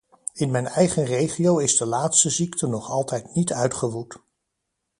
In mijn eigen regio is de laatste ziekte nog altijd niet uitgewoed.